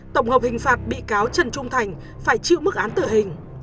tổng hợp hình phạt bị cáo trần trung thành phải chịu mức án tử hình